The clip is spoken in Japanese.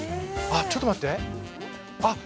あちょっと待ってあっ！